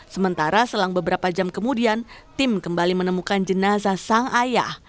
sementara selang beberapa jam kemudian tim kembali menemukan jenazah sang ayah